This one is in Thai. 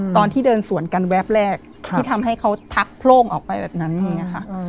ตอนที่เดินสวนกันแวบแรกที่ทำให้เขาทักโพร่งออกไปแบบนั้นตรงนี้ค่ะ